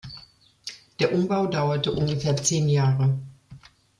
Der Umbau dauerte ungefähr zehn Jahre.